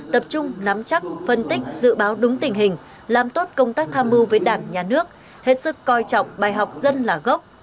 tập trung nắm chắc phân tích dự báo đúng tình hình làm tốt công tác tham mưu với đảng nhà nước hết sức coi trọng bài học dân là gốc